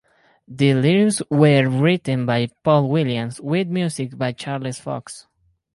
The lyrics were written by Paul Williams with music by Charles Fox.